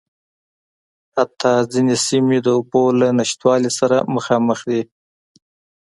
حتٰی ځينې سیمې د اوبو له نشتوالي سره مخامخ دي.